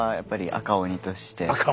赤鬼として。